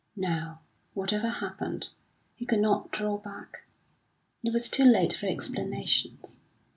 Now, whatever happened, he could not draw back; it was too late for explanations.